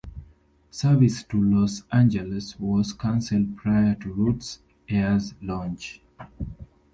Service to Los Angeles was cancelled prior to Roots Air's launch.